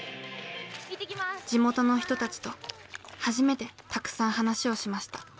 地元の人たちと初めてたくさん話をしました。